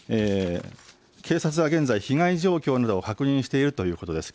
警察は現在、被害状況などを確認しているということです。